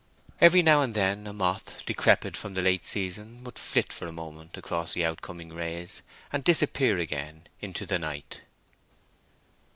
Every now and then a moth, decrepit from the late season, would flit for a moment across the out coming rays and disappear again into the night.